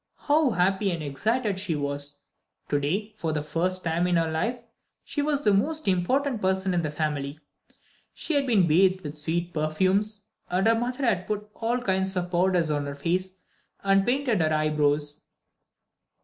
How happy and excited she was! To day, for the first time in her life, she was the most important person in the family. She had been bathed with sweet perfumes, and her mother had put all kinds of powders on her face and painted her eyebrows.